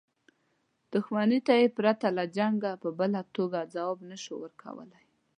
دښمنۍ ته یې پرته له جنګه په بله توګه ځواب نه شو ورکولای.